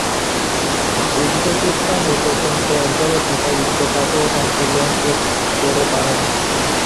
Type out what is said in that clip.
Uzbekistan এপর্যন্ত একবারও FIFA বিশ্বকাপে অংশগ্রহণ করে পারেনি।